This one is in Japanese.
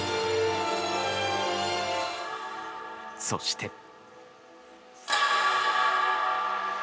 そして。